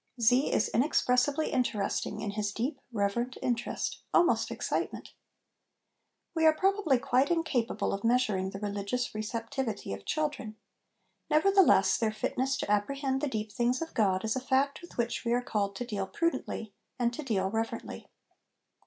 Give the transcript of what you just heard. Z. is inexpressibly interesting in his deep, reverent interest, almost excitement." We are probably quite incapable of measuring the religious receptivity of children. Nevertheless, their fitness to apprehend the deep things of God is a fact with which we are called to ' deal prudently/ and to deal reverently.